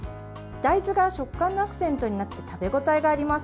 大豆が食感のアクセントになって食べ応えがあります。